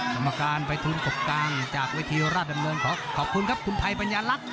ตำรงการไปทุนกบกังจากวิธีราชดำเนินขอขอบคุณครับคุณไพรปัญญาลักษณ์